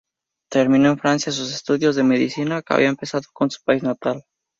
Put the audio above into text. Terminó en Francia sus estudios de medicina, que había empezado en su país natal.